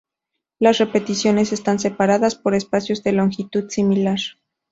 Las repeticiones están separadas por espacios de longitud similar.